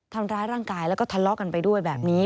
ทำร้ายร่างกายแล้วก็ทะเลาะกันไปด้วยแบบนี้